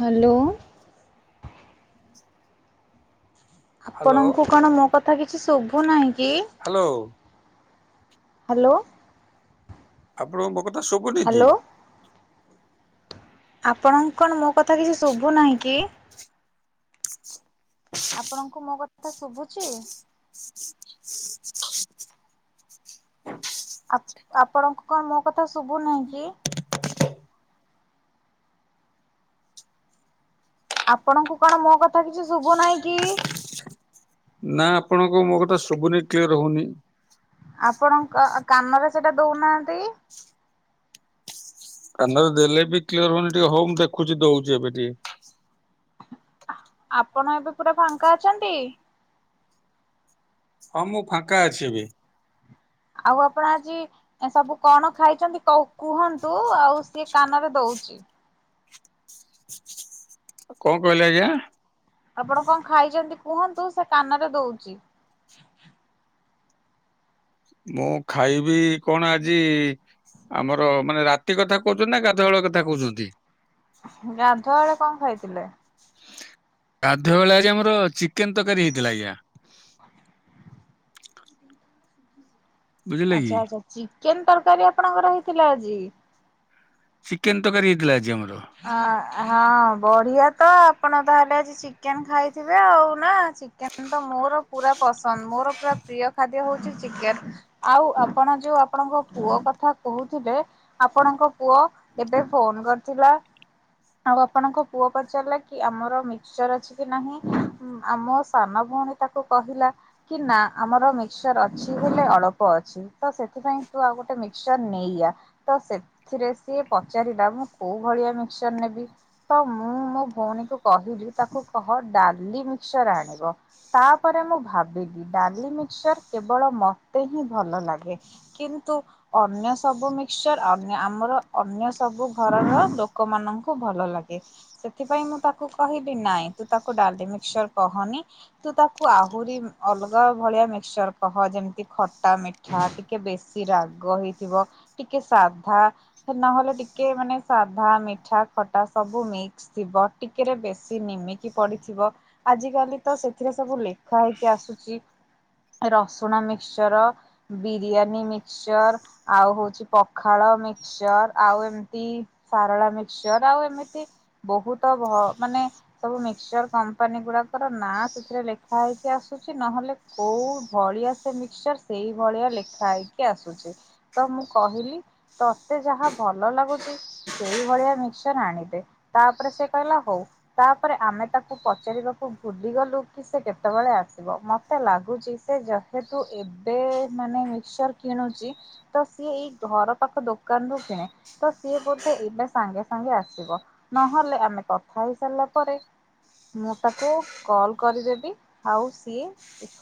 Hello hello ଆପଣଙ୍କୁ କଣ ମୋ କଥା କିଛି ଶୁଭୁ ନାହିଁ? କି? Hello hello. ଆପଣଙ୍କ ମୋ କଥା ଶୁଭୁନି କିି? ଆପଣ କଣ ମୋ କଥା କିଛି ଶୁଭୁ ନାହିଁ କି? ଆପଣଙ୍କୁ ମୋ କଥା ଟା ଶୁଭୁଚି? ହ ଆପଣଙ୍କୁ କଣ ମୋ କଥା ଶୁଭୁ ନାହିଁ କି? ଆପଣଙ୍କୁ କଣ ମୋ କ ନା ଆପଣଙ୍କ ମୋ କଥା ଶୁବୁନି କ୍ଲିୟର ହଉନି। ଆପଣ କ କାନରେ ସେଇଟା ଦଉନାହାନ୍ତି। କାନରେ ଦେଲେ ବି କ୍ଲିଅର ହଉନି ଟିକେ ହଉ ମୁଁ ଦେଖୁଛି ଦଉଛି ଏବେ ଟିକେ। ଆପଣ ଏବେ ପୁରା ଫାଙ୍କା ଅଛନ୍ତି? ହଁ ମୁଁ ଫାଙ୍କା ଅଛି ଏବେ। ଆଉ ଆପଣ ଆଜି ସବୁ କଣ ଖାଇଛନ୍ତି କ କୁହ ନ୍ତୁ ଆଉ ସିଏ କାନରେ ଦଉଛିି। କଣ କହିଲେ ଆଜ୍ଞା। ଆପଣ କଣ ଖାଇଛନ୍ତି କୁହନ୍ତୁ, ସେ କାନରେ ଦଉଛି। ମୁଁ ଖାଇବି କଣ ଆଜି ଆମର ମାନେ ରାତି କଥା କହୁଛନ୍ତି ନା ଗାଧୁଆଳ କଥା କହୁଛନ୍ତି। ଗାଧୁଆ ବେଳେ କଣ ଖାଇଥିଲେ? ଗାଧ ବେଳରେ ଆମର ଚିକେନ ତରକାରୀ ହେଇଥିଲା, ଆଜ୍ଞା । ବୁଝିଲେ କି ଆଛା, ଆଛା, ଚିକେନ ତରକାରୀ ଆପଣଙ୍କର ହେଇଥିଲା ଆଜି? ଚିକେନ ତରକାରୀ ହେଇଥିଲା ଆଜି ଆମର । ହଁ ହଁ, ବଢିଆ ତ, ଆପଣ ତାହେଲେ ଆଜି ଚିକେନ ଖାଇଥିବେ ଆଉ ନା, ଚିକେନ ତ ମୋର ପୁରା ପସନ୍ଦ, ମୋର ପୁରା ପ୍ରିୟ । ଖାଦ୍ୟ ହଉଛି ଚିକେନ ଆଉ ଆପଣ ଯୋଉ ଆପଣଙ୍କ ପୁଅ କଥା କହୁ [unintelligible] ଆପଣଙ୍କ ପୁଅ ଏବେ ଫୋନ କରିଥିଲା। ଆଉ ଆପଣଙ୍କ ପୁଅ ପଚାରିଲା କି -ଆମର ମିକ୍ସଚର ଅଛି? କି ନାହିଁ ଆମ ସାନ ଭଉଣୀ ତାକୁ କହିଲା, କି ନା, ଆମର ମିକସଚର ଅଛି ହେଲେ ଅଳ୍ପ ଅଛି ସେଥିପାଇ ତୁ ଆଉ ଗୋଟେ ମିକ୍ସଚର ନେଇ ଆ। ତ ସେଥିରେ ସିଏ ପଚାରିଲା, ମୁଁ କୋଉ ଭଳିଆ ମିକ୍ସର ନେବି। ତ ମୁଁ ମୋ ଭଉଣୀ କୁ କହିଲି ତାକୁ କହ ଡାଲି ମିକ୍ସର ଆଣିବ। ତାପରେ ମୁଁ ଭାବିଲି ଡାଲି ମିକ୍ସଚର କେବଳ ମତେ ହିଁ ଭଲ ଲାଗେ। କିନ୍ତୁ ଅନ୍ୟ ସବୁ ମିକ୍ସଚର ଅ ଆମର ଅନ୍ୟ ସବୁ ଘରର ମାନଙ୍କୁ ଭଲ ଲାଗେ ।ସେଥିପାଇଁ ମୁଁ ତାକୁ କହିବି ନାଇଁ, ତୁ ତାକୁ ଡାଲି ମିକ୍ସର କହନି। ତୁ ତାକୁ ଆହୁରି ଅଲଗା ଭଳିଆ ମିକ୍ସଚର କହ, ଯେମିତି ଖଟା ମିଠା ଟିକେ ବେଶୀ ରାଗ ହେଇଥିବ, ଟିକେ ସାଧା, ନହେଲେ ଟିକେ ମାନେ ସା ଧା ମିଠା ଖଟା ସବୁ ମିକ୍ସ ଥିବ ଟିକେରେ ବେଶି ନିମିକି ପଡିଥିବ ଆଜି ଆଜି କାଲି ତ ସେଥିରେ ସବୁ ଲେଖା ହେଇକି ଆସୁଛି ରସୁଣ ମିକ୍ସଚର, ବିରିୟାନୀ ମିକ୍ଚର ଆଉ ହଉଛି ପଖାଳ ମିକଚର ଆଉ ଏମତି ସାରଳା ମିକ୍ସଚର, ଆଉ ଏମିତି ବହୁତ ମାନେ ସବୁ ମିକ୍ସଚର କମ୍ପାନୀ ଗୁଡା ଙ୍କର ନାଁ ସେଥିରେ ଲେଖା ହେଇକି ଆସୁଛି, ନହେଲେ କୋଉ ଭଳିଆ ସେ ମିକ୍ସଚର ସେଇ ଭଳିଆ ଲେଖା ହେଇକି ଆସୁଛି। ତ ମୁଁ କହିଲି ତତେ ଯାହା ଭଲ ଲାଗୁଛି ସେଇଭଳିଆ ମିକ୍ସର ଆଣିଦେ, ତାପରେ ସେ କହିଲା ହଉ। ତାପରେ ଆମେ ତାକୁ ପଚାରିବା କୁ ଭୁଲିଗଲୁ କି ସେ କେତେବେଳେ ଆସିବ। ମତେ ଲାଗୁଛି ସେ ଯେହେତୁ ଏବେ ମାନେ ମିକସଚର କିଣୁଛି, ତ ସିଏ ଏଇ ଘର ପାଖ ଦୋକାନରୁୁ କିଣେ। ତ ସିଏ ବୋ ସେ ଏବେ ସାଙ୍ଗେ ସାଙ୍ଗେ ଆସିବ। ନହେଲେ ଆମେ କଥା ହେଇସାରିଲା ପରେ ମୁଁ ତାକୁ କଲ କରିଦେବି ଆଉ ସିଏ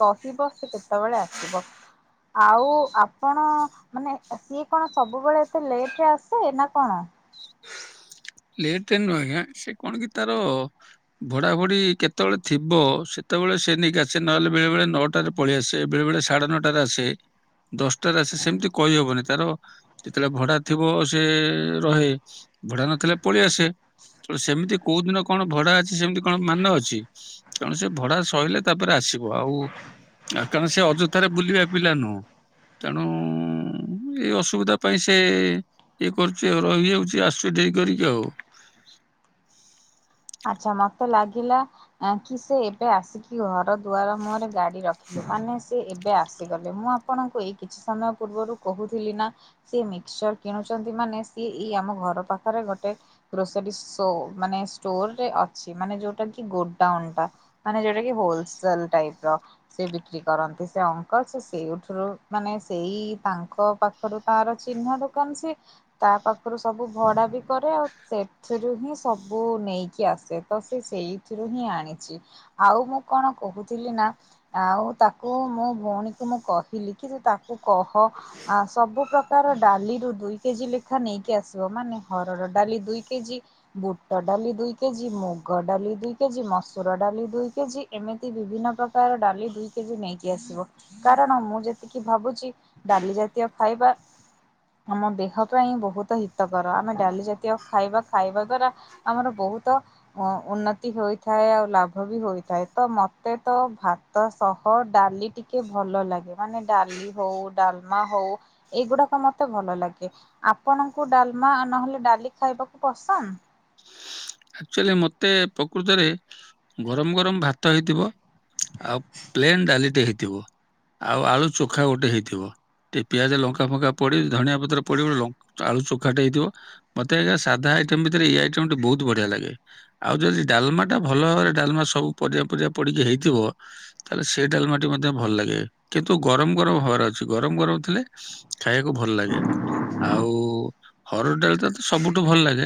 କହିବ ସେ କେତେବେଳେ ଆସ ସିବ [unintelligible] ଆଉ ଆପଣ ମାନେ ସିଏ କଣ ସବୁବେଳେ ଏତେ ଲେଟ ରେ ଆସେ ନା କଣ? ଲେଟ ନୁହଁ ଆଜ୍ଞା। ସେ କଣ କି ତାର ଭଡା ଭଡି କେତେବେଳେ ଥିବ ସେ ସେତେବେଳେ ସେ ନେଇିକ ଆସେ, ନହେଲେ ବେଳେ ବେଳେ ନଅଟାରେ ପଳେଇ ଆସେ, ବେଳେ ବଳେ ସାଢେ ନଅଟାରେ ଆସେ। ଦଶଟାରେ ଆସେ ସେମିତି କହିହବନି। ତାର ଯେତେବେଳେ ଭଡା ଥିବ ସେ ରହେ ।ଭଡା ନଥିଲେ ପଳେଇଆସ। ସେମିତି କୋଉ ଦିନ କଣ ଭଡା ଅଛି ସେମିତି କଣ ମାନ ଅଛି । ତେଣୁ ସେ ଭଡା ସରିଲେ ତାପରେ ଆସିବ। ଆଉ ଆ କାରଣ ସେ ଅଯଥାରେ ବୁଲିବା ପିଲା ନୁହଁ ।ତେଣୁ ଏଇ ଅସୁବିଧା ପାଇଁ ସେ ଇଏ କରୁଛି ଆଉ, ରହିଯାଉଛି, ଆସୁଛ ଡେରି କରି। ଆଉ ଆଛା, ମତେ ଲାଗିଲା କି ସେ ଏବେ ଆସିକି ଘର ଦୁଆର ମୁହରେ ଗାଡି ରଖିଲୁ ।ମାନେ ସେ ଏବେ ଆସ ଆସିଗଲେ, ମୁଁ ଆପଣଙ୍କୁ ଏଇ କିଛି ସମୟ ପୂର୍ବରୁ କହୁଥିଲି ନା -ସେ ମିକ୍ସଚର କିଣୁଛନ୍ତି ମାନେ ସିଏ ଇ ଆମ ଘର ପାଖରେ ଗୋଟେ ଗ୍ରୋସରୀ ସୋ ମାନେ ଷ୍ଟୋରରେ ଅଛି ।ମାନେ ଯୋଉଟା କି ଗୋଡାଉନ୍ ଟା, ମାନେ ଯୋଉଟା କି ହୋଲସେଲ ଟାଇପ ର ବିକ୍ରି କରନ୍ତି ସେ ଅଙ୍କଲ ସେ ସେଇଠୁରୁ ମାନେ ସେଇ ତାଙ୍କ ପାଖରୁ ତାର ଚହ ଚହ୍ନା ଦୋକାନ ସିଏ, ତା ପାଖରୁ ସବୁ ଭଡା ବି କରେ। ଆଉ ସେଥିରୁ ହିଁ ସବୁ ନେଇକି ଆସେ, ତ ସେ ସେଇଥିରୁ ହିଁ ଆଣିଛି ।ଆଉ ମୁଁ କଣ କହୁଥିଲି ନା ଆଉ ତାକୁ ମୋ ଭଉଣୀକୁ ମୁଁ କହିଲି କି ତାକୁ କହ ଆ ସବୁ ପ୍ରକାର ଡାଲିରୁ ଦୁଇ କେଜି ଲେଖା ନେଇକି ଆସିବ। ମାନେ ହରଡ ଡାଲି ଦୁଇ କେଜି, ବୁଟ ଡାଲି ଦୁଇ କେଜି, ମୁଗ ଡାଲି ଦୁଇ କେଜି, ମସୁର ଡ଼ାଲି ଦୁଇ କେଜି ଏମିତି ବିଭିନ୍ନ ପ୍ରକାର ଡା ଡାଲି ଦୁଇ କେଜି ନେଇକି ଆସିବ ।କାରଣ ମୁଁ ଯେତିକି ଭାବୁଛି ଡାଲି ଜାତୀୟ ଖାଇବା ଆମ ଦେହ ପାଇଁ ବହୁତ ହିତକର ।ଆମେ ଡାଲି ଜାତୀୟ ଖାଇବା ଖାଇବା ଦ୍ଵାରା ଆମର ବହୁତ ଉନ୍ନତି ହୋଇଥାଏ ଆଉ ଲାଭ ବି ହୋଇଥାଏ ।ତ ମୋତେ ତ ଭା ତ ସହ ଡାଲି ଟିକେ ଭଲ ଲାଗେ ।ମାନେ ଡାଲି ହଉ ଡାଲମା ହଉ ଏଇଗୁଡା ମତେ ଭଲ ଲାଗେ ।ଆପଣଙ୍କୁ ଡାଲମା ନହେଲେ ଡାଲି ଖାଇବାକୁ ପସନ୍ଦ? ଆକ୍ଚୁଲି ମତେ ପ୍ରକୃତରେ ଗରମ ଗରମ ଭାତ ହେଇଥିବ। ଆଉ ପ୍ଲେନ୍ ଡାଲିଟେ ହେଇଥିବ ଆଉ ଆଳୁ ଚୋଖା ଗୋଟେ ହେଇଥିବ। ଟେ ପିଆଜ ଲଙ୍କା ଫଙ୍କା ପଡି ଧନିଆ ପତ୍ର ପଡିିବ ଗୋ ଆଳୁ ଚଖଟ ହେଇଥିବ। ମତେ ଆଜ୍ଞା ସାଧା ଏହି ଆଇଟମ ଭିତରେ ଏହି ଆଇଟମଟି ବହୁତ ବଢିଆ ଲାଗେ। ଆଉ ଯଦି ଡାଲମା ଟା ଭଲ ଭାବରେ ଡାଲମା ସବୁ ପରିବା ଫରିବା ପଡିକି ହେଇଥିବ ତାହେଲେ ସେ ଏଇ ଡାଲମାଟି ମଧ୍ୟ ଭଲଲାଗେ କିନ୍ତୁ ଗରମ ଗରମ ହବାର ଅଛି ଗରମ ଗରମ ଥିଲେ ଖାଇବାକୁ ଭଲ ଲାଗେ ଆଉ ହରଡ଼ ଡାଲିଟା ସବୁଠୁ ଭଲଲାଗେ।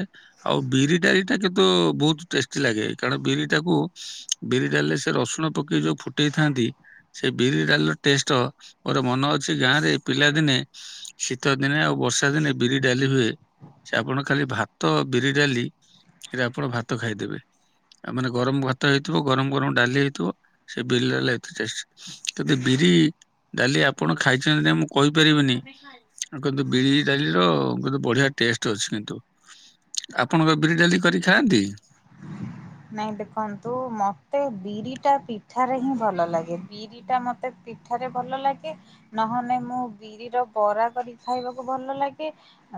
ଆଉ ବିରିଟା ଏଇଟା [unintelligible] ତ ବହୁତ ଟେଷ୍ଟି ଲାଗେ କାରଣ ବିରିଟାକୁ ବିରିଡାଲିରେ ସେ ରସୁଣ ପକେଇ ଯୋଉ ଫୁଟେଇଥାନ୍ତି ସେ ବିରିଡାଲିର ଟେଷ୍ଟ ମୋର ମନ ଅଛି ଗାଁରେ ପିଲାଦିନେ ଶୀତଦିନେ ଆଉ ବର୍ଷାଦିନେ ବିରି ଡାଲି ହୁଏ ସେ ଆପଣ ଖାଲି ଭାତ, ବିରି ଡାଲି ତିରେ ଆପଣ ଭାତ ଖାଇଦେବେ। ଆଉ ମାନେ ଗରମ ଭାତ ହେଇଥିବ ଗରମ ଗରମ ଡାଲି ହେଇଥିବ ସେ ବିରି ଡାଲି ଏତେ ଟେଷ୍ଟି ଦି ଡାଲି ଆପଣ ଖାଇଛନ୍ତି ନା ମୁଁ କହିପାରିବିନି। କିନ୍ତୁ ବିରି ଡାଲି ର କିନ୍ତୁ ବଢିଆ ଟେଷ୍ଟ ଅଛି କିନ୍ତୁ ଆପଣଙ୍କ ବିରି ଡାଲି କରିଖାଆନ୍ତି? ନାଇଁ ଦେଖନ୍ତୁ ମତେ ବିରିଟା ପିଠାରେ ହିଁ ଭଲ ଲାଗେ ବିରି ବିରି ପା ମତେ ପିଠାରେ ଭଲ ଲାଗେ ନହେଲେ ମୁଁ ବିରିର ବରା କରି ଖାଇବାକୁ ଭଲ ଲାଗେ।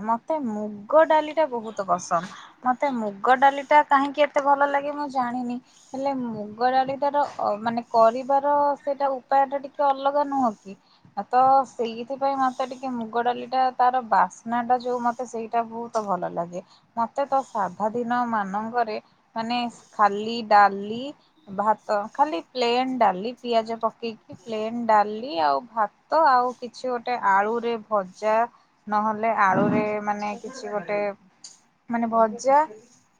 ମତେ ମୁଗ ଡାଲିଟା ବହୁତ ପସନ୍ଦ ମତେ ମୁଗ ଡାଲିଟା କାହିଁକି ଏତେ ଭଲ ଲାଗେ ମୁଁ ଜାଣିନି ହେଲେ ମୁଗ ଡାଲି ଟା ତ ମାନେ କରିବାର ସେଇଟା ଉପାୟଟା ଟିକେ ଅଲଗା ନୁହଁ କି? ତ ସେଇଥିପାଇଁ ମତେ ଟିକେ ମୁଗ ଡାଲିଟା ତାର ବାସ୍ନାଟା ଯୋଉ ମତେ ସେଇଟା ବହୁତ ଭଲ ଲାଗେ ମତେ ତ ସାଧା ଦିନ ମାନଙ୍କରେ ମାନେ ଖାଲି ଡାଲି, ଭାତ ଖାଲି ପ୍ଲେନ୍ ଡାଲି ପିଆଜ ପକେଇକି ପ୍ଲେନ୍ ଡାଲି ଆଉ ଭାତ ଆଉ କିଛି ଗୋଟେ ଆଳୁରେ ଭଜା ନହେଲେ ହେଲେ ଆଳୁରେ ମାନେ କିଛି ଗୋଟେ ମାନେ ଭଜା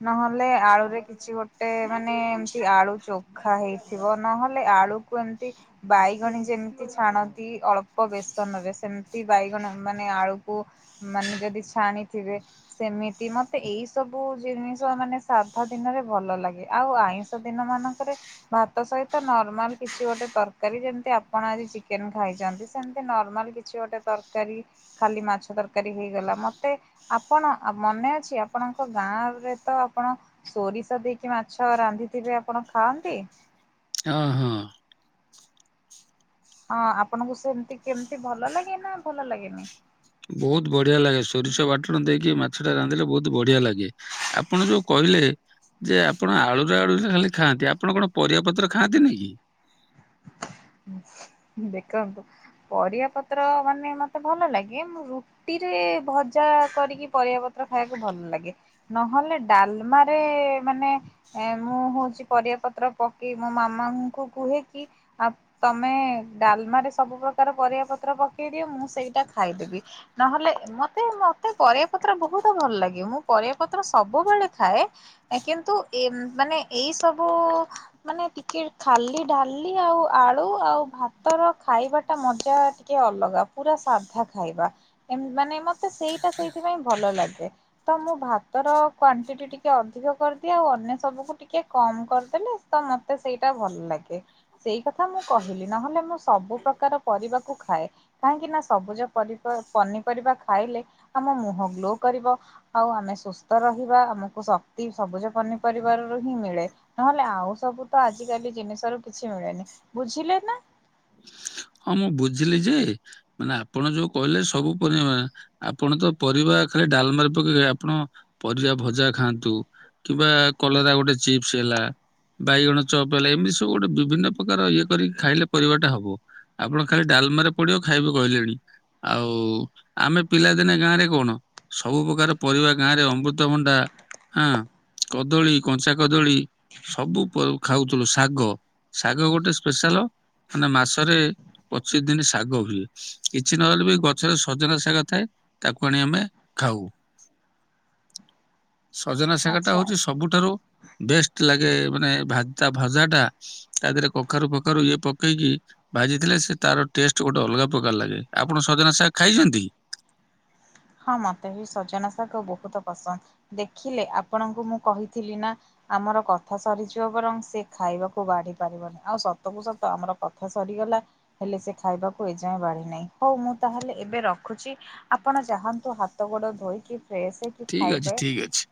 ନହେଲେ ଆଳୁରେ କିଛି ଗୋଟେ ଗୋଟେ ମାନେ ଏମତି ଆଳୁ ଚୋଖା ହେଇଥିବ ନହେଲେ ଆଳୁକୁ ଏମତି ବାଇଗଣୀ ଯେମିତି ଛାଣନ୍ତି ଅ ଳ୍ପ ବେସନରେ ସେମିତି ବାଇଗଣ ମାନେ ଆଳୁକୁ ମାନେ ଯଦି ଛାଣିଥିବେ ସେମିତି ମତେ ଏଇ ସବୁ ଜିନିଷ ମାନେ ସାଧା ଦିନରେ ଭଲ ଲାଗେ। ଆଉ ଆଇଁଷ ଦିନମାନଙ୍କରେ ଭାତ ସହିତ ନର୍ମାଲ କିଛି ଗୋଟେ ତରକାରୀ ଯେମତି ଆପଣ ଚିକେନ ଖାଇଛନ୍ତି ସେମତି ନର୍ମାଲ କିଛି ଗୋଟେ ତରକାରୀ ଖାଲି ମାଛ ତରକାରୀ ହେଇଗଲା ମତେ ମତେ ଆପଣ ମନେ ଅଛି ଆପଣଙ୍କ ଗାଁରେ ତ ଆପଣ ସୋରିଷ ଦେଇ ମାଛ ରାନ୍ଧିଥିବେ ଆପଣ ଖାଆନ୍ତି? ହଁ ହଁ। ହଁ ଆପଣଙ୍କୁ ସେମତି କେମିତି ଭଲ ଲାଗେ ନା ଭଲ ଲାଗେନି? ସେଇଟା ରାନ୍ଧିଲେ ବହୁତ ବଢିଆ ଲାଗେ ଆପଣ ଯୋଉ କହିଲେ ଯେ ଆପଣ ଆଳୁୁରେ ଆଳୁରେ ଖାଲି ଖାଆନ୍ତି ଆପଣ କଣପରିବା ପତ୍ର ଖାଆନ୍ତି ନି କି? [inaudible] ଦେଖନ୍ତୁ ପରିବା ପତ୍ର ମାନେ ମତେ ଭଲ ଲାଗେ ମୁଁ ରୁଟି [unintelligible] ଭଜା କରିକି ପରିବାପତ୍ର ଖାଇବାକୁ ଭଲଲାଗେ ନହେଲେ ଡ଼ାଲମା ରେ ମାନେ ମୁଁ ହଉଛି ପରିବା ପତ୍ର ପକେଇ ମୋ ମାମାଙ୍କୁ କୁହେକି ତମେ ଡାଲମା ରେ ସବୁ ପ୍ରକାର ପରିବାପତ୍ର ପକେଇଦିଅ ମୁଁ ସେଇଟା ଖାଇଦେବି ନହେଲେ ମତେ ମତେ ପରିବାପତ୍ର ବହୁତ୍ ଭଲ ଲାଗେ ମୁଁ ପରିବାପତ୍ର ସବୁବେଳେ ଖାଏ କେ କିନ୍ତୁ [unintelligible] ମାନେ ଏଇ ସବୁ ମାନେ ଟିକେ ଖାଲି ଡାଲି ଆଉ ଆଳୁ ଆଉ ଭାତର ଖାଇବା ଟା ମଜା ଟିକେ ଅଲଗା ପୁରା ସାଧା ଖାଇବା ଏମ ମାନେ ମତେ ସେଇଟା ସେଇଥିପାଇଁ ଭଲ ଲାଗେ ତ ମୁଁ ଭାତର କ୍ଵାଣ୍ଟିଟି ଟିକେ ଅଧିକ କରି ଯଦି ଆଉ ଅନ୍ୟ ସବୁକୁ ଟିକେ କମ୍ କରିଦେଲେ ତ ମତେ ସେଇଟା ଭଲ ଲାଗେ ସେଇ କ ମୁଁ କହିଲି ନହେଲେ ମୁଁ ସବୁ ପ୍ରକାର ପରିବାକୁ ଖାଏ କାହିଁକି ନା ସବୁଜ ପନି [unintelligible] ପନିପରିବା ଖାଇଲେ ଆମ ମୁଁହ ଗ୍ଲୋ କରିବ ଆଉ ଆମେ ସୁସ୍ଥ ରହିବା ଆମକୁ ଶକ୍ତି ସବୁଜ ପନିପରିବାରରୁ ହିଁ ମିଳେ ନହେଲେ ଆଉ ସବୁ ତ ଆଜିକାଲି ଜିନିଷ ରୁ କିଛି ମିଳେନି। ବୁଝିଲେ ନା? ହଁ ମୁଁ ବୁଝିଲି ଯେ ମାନେ ଆପଣ ଯୋଉ କହିଲେ ସବୁ [unintelligible] ଆପଣ ତ ପରିବା [unintelligible] ଖାଲି ଡ଼ାଲମା ରେ ପକେଇ ଆପଣ ପରିବା ଭଜା ଖାଆନ୍ତୁ କିମ୍ବା କଲରା ଗୋଟେ ଚିପ୍ସ ହେଲା ବାଇଗଣ ଚପ ହେଲା ଏମିତି ସବୁ ଗୋଟେ ବିଭିନ୍ନ ପ୍ରକାର ଇଏ କରିକି ଖାଇଲେ ପରିବାଟା ହବ। ଆପଣ ଖାଲି ଡ଼ାଲମା ରେ ପଡ଼ିବ ଖାଇବେ କହିଲେଣି ଆଉ ଆମେ ପିଲାଦିନେ ଗାଁ ରେ କଣ ସବୁ ପ୍ରକାର ପରିବା ଗାଁ ରେ ଅମୃତଭଣ୍ଡା ହଁ କଦଳୀ, କଞ୍ଚା କଦଳୀ ସବୁ ଖାଉଥିଲୁ ଶାଗ ଶାଗ ଗୋଟେ ସ୍ପେଶାଲ ମାନେ ମାସରେ ପଚିଶି ଦିନ ଶାଗ ହୁଏ କିଛି ନହେଲେ ବି ଗଛରେ ସଜନା ଶାଗ ଥାଏ ତାକୁ ଆଣି ଆମେ ଖାଉ। ସଜନା ଶାଖା ଟା ଆଚ୍ଛା ହଉଛି ଆଚ୍ଛା। ସବୁଠାରୁ ବେଷ୍ଟ ଲାଗେ ମାନେ ଭା ଭଜା ଟା ତା ଦେହରେ କଖାରୁ ଫଖାରୁ ଇଏ ପକେଇକି ଭାଜି ଥିଲେ ସେ ତାର ଟେଷ୍ଟ ଗୋଟେ ଅଲଗା ପ୍ରକାର ଲାଗେ ଆପଣ ସଜନା ଶାଗ ଖାଇଚନ୍ତି? ହଁ ମତେ ବି ସଜନା ଶାଗ ବହୁତ ପସନ୍ଦ ଦେଖିଲେ ଆପଣଙ୍କୁ ମୁଁ କହିଥିଲି ନା ଆମର କଥା ସରିଯିବ ବରଂ ସେ ଖାଇବାକୁ [unintelligible] ପାରିବନି ଆଉ ସତ କୁ ସତ ଆମର କଥା ସରି ଗଲା ହେଲେ ସେ ଖାଇବାକୁ ଏଯାଏଁ ବାଢି ନାହିଁ ହଉ ମୁଁ ତାହେଲେ ଏବେ ରଖୁଛି ଆପଣ ଯାହାନ୍ତୁ ହାତ ଗୋଡ଼ ଧୋଇକି ଫ୍ରେଶ ହେଇକି ଠିକ ଅଛି ଖାଇବେ। ଠିକ ଅଛି।